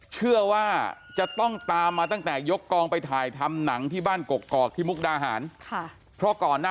เชื่อว่าจะต้องตามมาตั้งแต่ยกกองไปถ่ายทำหนังที่บ้านกรกกอกที่มุกดาหาร